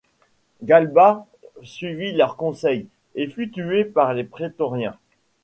Galba suivit leur conseil et fut tué par les prétoriens.